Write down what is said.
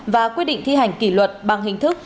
và quyết định thi hành kỷ luật bằng hình thức